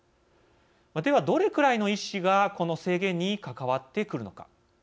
では、どれくらいの医師がこの制限に関わってくるのか。